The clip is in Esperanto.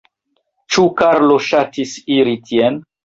Ĉu Karlo ŝatis iri tien?